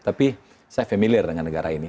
tapi saya familiar dengan negara ini